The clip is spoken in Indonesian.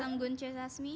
anggun c sasmi